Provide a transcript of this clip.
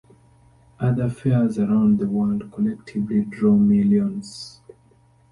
Other Faires around the world collectively draw millions.